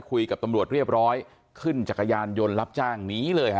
คุยกับตำรวจเรียบร้อยขึ้นจักรยานยนต์รับจ้างหนีเลยฮะ